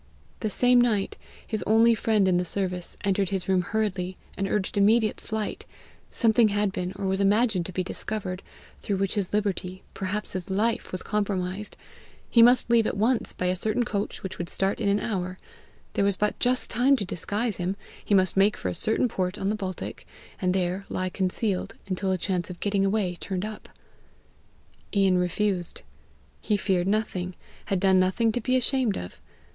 The same night his only friend in the service entered his room hurriedly, and urged immediate flight: something had been, or was imagined to be discovered, through which his liberty, perhaps his life, was compromised; he must leave at once by a certain coach which would start in an hour: there was but just time to disguise him; he must make for a certain port on the Baltic, and there lie concealed until a chance of getting away turned up! Ian refused. He feared nothing, had done nothing to be ashamed of!